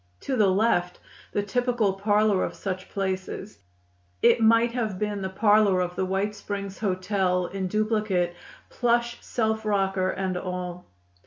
To the left, the typical parlor of such places. It might have been the parlor of the White Springs Hotel in duplicate, plush self rocker and all.